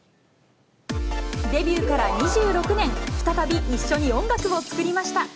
デビューから２６年、再び一緒に音楽を作りました。